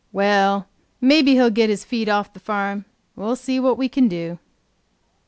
Well, maybe he'll get his feed off the farm; we'll see what we can do."